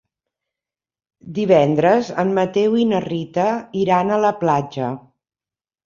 Divendres en Mateu i na Rita iran a la platja.